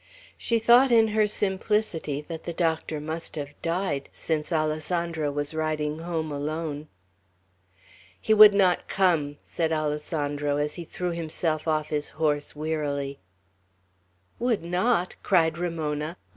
She thought, in her simplicity, that the doctor must have died, since Alessandro was riding home alone. "He would not come!" said Alessandro, as he threw himself off his horse, wearily. "Would not!" cried Ramona.